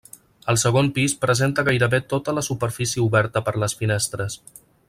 El segon pis presenta gairebé tota la superfície oberta per les finestres.